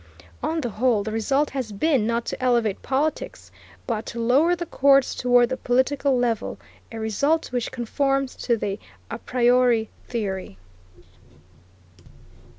On the whole the result has been not to elevate politics, but to lower the courts toward the political level, a result which conforms to the a priori theory.